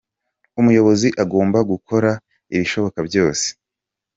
Umuyobozi agomba gukora ibishoboka byose